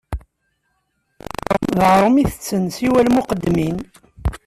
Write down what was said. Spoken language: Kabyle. D aɣrum i tetten siwa lmuqeddmin.